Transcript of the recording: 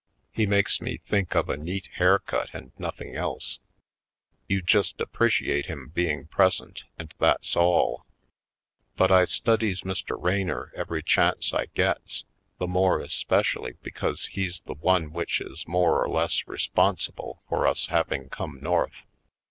He makes me think of a neat haircut and nothing else. You just appreciate him being present and that's all. But I studies Mr. Raynor every chance I gets, the more especially because he's the one which is more or less responsible for us having come North.